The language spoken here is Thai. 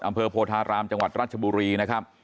โพธารามจังหวัดราชบุรีนะครับ